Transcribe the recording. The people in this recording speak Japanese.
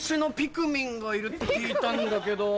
がいるって聞いたんだけど。